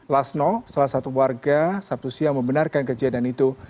lasno salah satu warga sabtu siang membenarkan kejadian itu